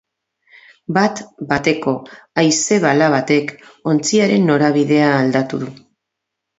Bat-bateko haize-bala batek ontziaren norabidea aldatu du.